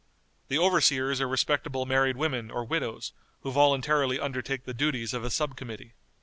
The overseers are respectable married women or widows, who voluntarily undertake the duties of a sub committee.